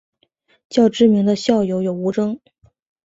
较知名的校友有吴峥。